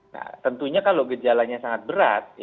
nah tentunya kalau gejalanya sangat berat